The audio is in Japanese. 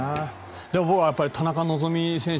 僕は田中希実選手